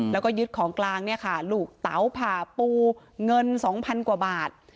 แล้วก็ยึดของกลางเนี่ยค่ะลูกเต๋าผ่าปูเงิน๒๐๐๐กว่าบาท